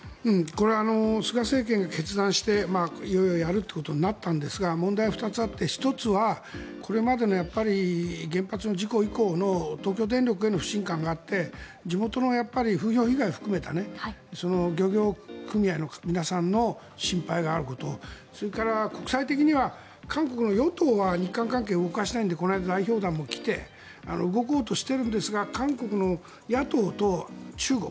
これは菅政権が決断していよいよやるということになったんですが問題は２つあって、１つはこれまでの原発の事故以降の東京電力への不信感があって地元の風評被害を含めた漁業組合の皆さんの心配があることそれから、国際的には韓国の与党は日韓関係を動かしたいのでこの間、代表団も来て動こうとしているんですが韓国の野党と中国。